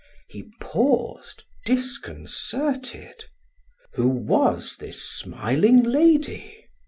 He paused, disconcerted. Who was that smiling lady?